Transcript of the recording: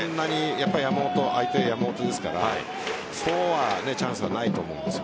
相手、山本ですからそうはチャンスがないと思うんです。